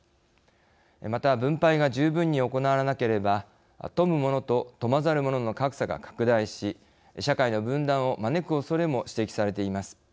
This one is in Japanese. また分配が十分に行われなければ富む者と富まざる者の格差が拡大し社会の分断を招くおそれも指摘されています。